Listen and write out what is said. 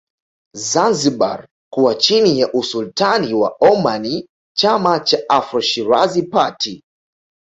Zanzibar kuwa chini ya Usultani wa Omani Chama cha Afro Shirazi Party